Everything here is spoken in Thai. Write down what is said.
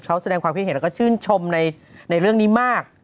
เขาแสดงความคิดเห็นแล้วก็ชื่นชมในเรื่องนี้มาก